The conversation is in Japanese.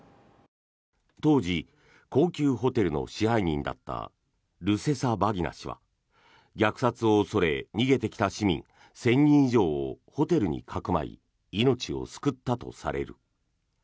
当時、高級ホテルの支配人だったルセサバギナ氏は虐殺を恐れ逃げてきた市民１０００人以上をホテルにかくまい命を救ったとされる。